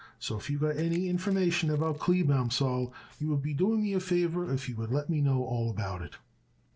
So if you got any information about Kleebaum, Sol, you would be doing me a favor if you would let me know all about it."